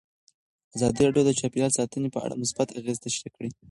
ازادي راډیو د چاپیریال ساتنه په اړه مثبت اغېزې تشریح کړي.